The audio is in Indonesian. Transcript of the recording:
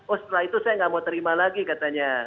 oh setelah itu saya nggak mau terima lagi katanya